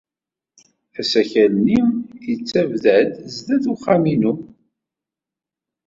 Asakal-nni yettabdad sdat uxxam-inu.